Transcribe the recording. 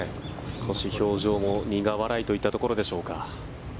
少し表情も苦笑いといったところでしょうか。